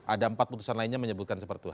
ada empat putusan lainnya menyebutkan seperti itu